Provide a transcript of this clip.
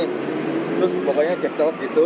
terus pokoknya cekcok gitu